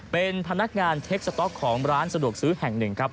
เป็นพนักงานเช็คสต๊อกของร้านสะดวกซื้อแห่งหนึ่งครับ